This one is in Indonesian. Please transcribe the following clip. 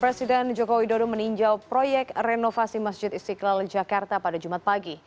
presiden joko widodo meninjau proyek renovasi masjid istiqlal jakarta pada jumat pagi